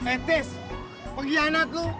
eh tes pengkhianat lo